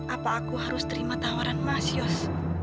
apa aku harus terima tawaran mas yos